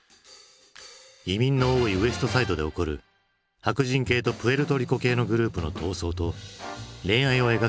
移民の多いウエストサイドで起こる白人系とプエルトリコ系のグループの闘争と恋愛を描くミュージカル。